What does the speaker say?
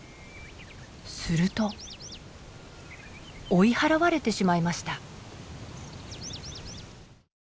すると追い払われてしまいました。